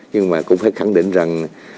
nhưng mà cũng phải khẳng định rằng